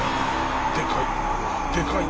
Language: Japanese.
でかい！